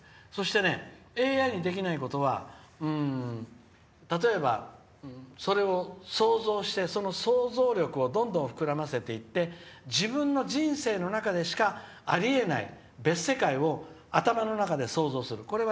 そしてね、ＡＩにできないことは例えば、それを想像してその想像力をどんどん膨らませていって自分の人生でしかありえない別世界を頭の中に創造する。